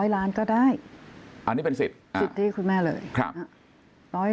๑๐๐ล้านก็ได้สิทธิ์ที่คุณแม่เลยค่ะอันนี้เป็นสิทธิ์